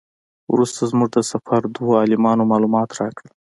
وروسته زموږ د سفر دوو عالمانو معلومات راکړل.